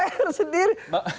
itu pr sendiri